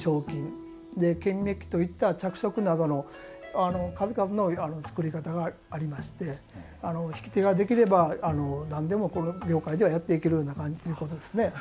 金めっきといった着色などの数々の作り方がありまして引き手ができればなんでもこの業界ではやっていけるような感じのことですね。